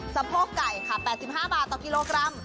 สะโพกไก่ค่ะ๘๕บาทต่อกิโลกรัม